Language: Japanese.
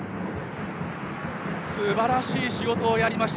すばらしい仕事をやりました。